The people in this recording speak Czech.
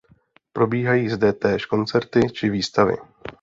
Probíhají zde též koncerty či výstavy.